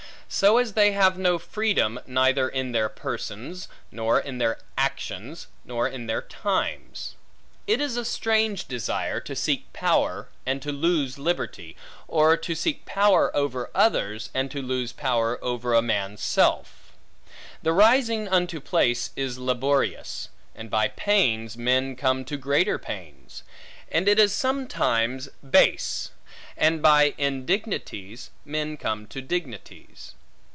So as they have no freedom; neither in their persons, nor in their actions, nor in their times. It is a strange desire, to seek power and to lose liberty: or to seek power over others, and to lose power over a man's self. The rising unto place is laborious; and by pains, men come to greater pains; and it is sometimes base; and by indignities, men come to dignities.